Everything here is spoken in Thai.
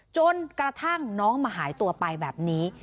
จนกระทั่งน้องมาหายตัวไปแบบนี้